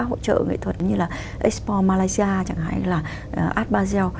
các hỗ trợ nghệ thuật như là expo malaysia chẳng hạn hay là art basel